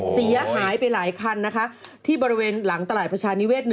เสียหายไปหลายคันนะคะที่บริเวณหลังตลาดประชานิเศษ๑